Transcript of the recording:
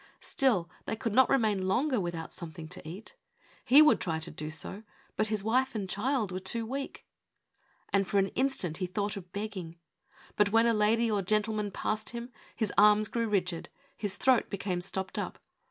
Still, they could not remain longer with out something to eat. He would try to do so, but his wife and child were too weak. And for an instant he thought of begging. But when a lady or gentleman passed him his arms grew rigid, his throat became stopped up.